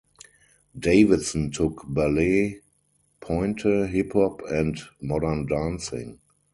Davidson took ballet, pointe, hip-hop and modern dancing.